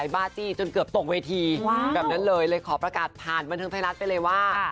แบบนั้นเลยขอประกาศผ่านบรรทางไทยรัฐไปเลยว่า